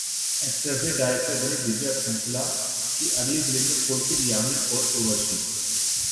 actor से director बनी दिव्या खोसला की अगली फिल्म में पुलकित, यामी और उर्वशी